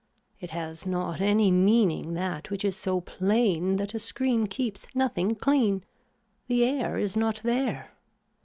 It has not any meaning that which is so plain that a screen keeps nothing clean. The air is not there.